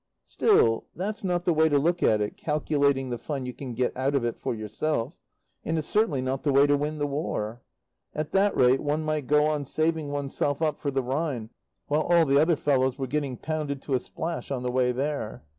Still, that's not the way to look at it, calculating the fun you can get out of it for yourself. And it's certainly not the way to win the War. At that rate one might go on saving oneself up for the Rhine, while all the other fellows were getting pounded to a splash on the way there.